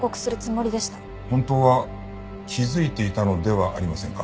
本当は気づいていたのではありませんか？